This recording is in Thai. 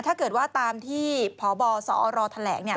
ถ้าเกิดว่าตามที่พบสอรแถลงเนี่ย